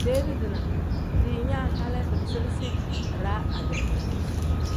Deere dina diinyaa hali dibirisi iraa ade.